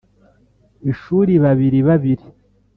ishuri babiri babiri